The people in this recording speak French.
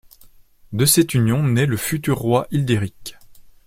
De cette union, naît le futur roi Hildéric.